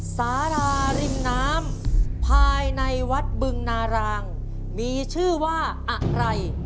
สาราริมน้ำภายในวัดบึงนารางมีชื่อว่าอะไร